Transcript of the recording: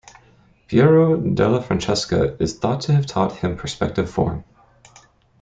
Piero della Francesca is thought to have taught him perspective form.